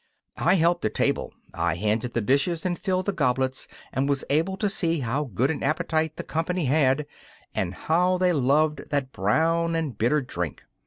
I helped at table. I handed the dishes and filled the goblets and was able to see how good an appetite the company had, and how they loved that brown and bitter drink.